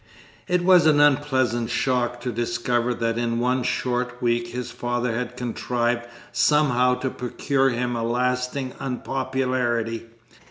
It was an unpleasant shock to discover that in one short week his father had contrived somehow to procure him a lasting unpopularity.